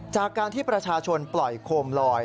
จากการที่ประชาชนปล่อยโคมลอย